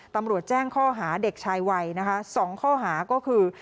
ตำรวจแจ้งข้อหาเด็กชายวัยนะคะ๒ข้อหาก็คือ